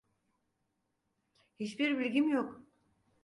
Hiçbir bilgim yok.